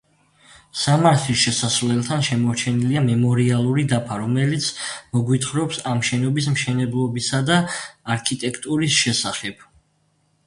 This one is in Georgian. სამარხის შესასვლელთან შემორჩენილია მემორიალური დაფა, რომელიც მოგვითხრობს ამ შენობის მშენებლობისა და არქიტექტურის შესახებ.